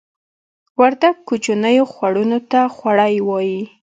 وردګ کوچنیو خوړونو ته خوړۍ وایې